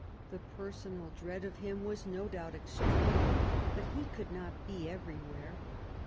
The personal dread of him was no doubt extreme ; but he could not be everywhere.